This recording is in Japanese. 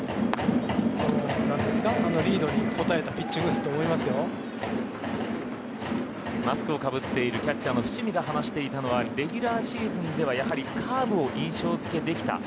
リードに応えたマスクをかぶっているキャッチャーの伏見が話していたのはレギュラーシーズンではカーブを印象づけできた。